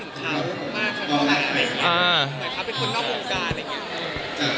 เหมือนเป็นคนนอกภูมิการอะไรอย่างนี้